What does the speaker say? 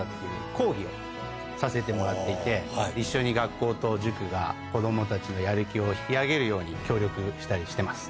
講義をさせてもらっていて一緒に学校と塾が子供たちのやる気を引き上げるように協力したりしてます。